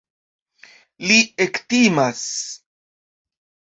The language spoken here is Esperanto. Li ektimas.